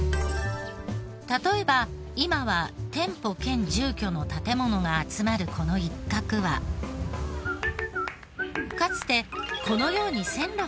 例えば今は店舗兼住居の建ものが集まるこの一画はかつてこのように線路が通っていた場所。